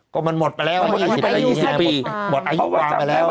ก็มันหมดไปแล้ว๒๐ปีหมดอายุกวางไปแล้ว